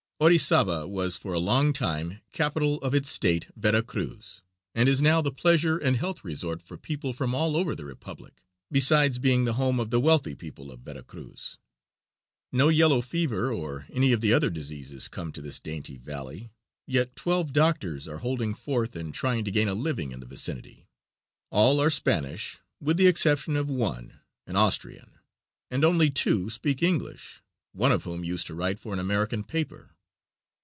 Orizaba was for a long time capital of its state, Vera Cruz, and is now the pleasure and health resort for people from all over the Republic, besides being the home of the wealthy people of Vera Cruz. No yellow fever or any of the other diseases come to this dainty valley, yet twelve doctors are holding forth and trying to gain a living in the vicinity. All are Spanish, with the exception of one, an Austrian, and only two speak English, one of whom used to write for an American paper.